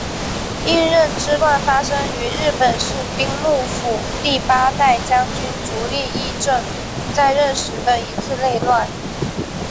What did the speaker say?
应仁之乱发生于日本室町幕府第八代将军足利义政在任时的一次内乱。